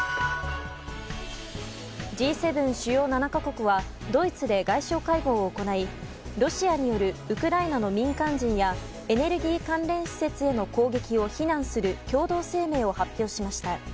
Ｇ７・主要７か国はドイツで外相会合を行いロシアによるウクライナの民間人やエネルギー関連施設への攻撃を非難する共同声明を発表しました。